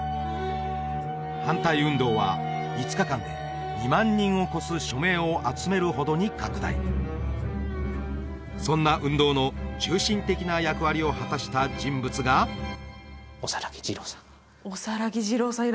反対運動は５日間で２万人を超す署名を集めるほどに拡大そんな運動の中心的な役割を果たした人物が大佛次郎さん